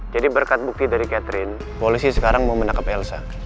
jadi berkat bukti dari catherine polisi sekarang mau menangkap elsa